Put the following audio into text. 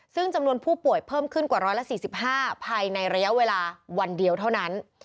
ซึ่งจำนวนผู้ป่วยเพิ่มขึ้นกว่า๑๔๕ภายในระยะเวลาวันเดียวเท่านั้น